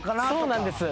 そうなんです。